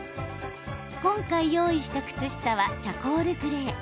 今回、用意した靴下はチャコールグレー。